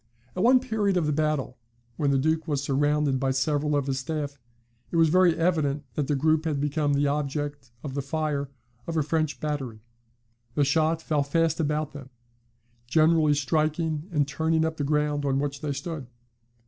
At one period of the battle, when the Duke was surrounded by several of his staff, it was very evident that the group had become the object of the fire of a French battery. The shot fell fast about them, generally striking and turning up the ground on which they stood.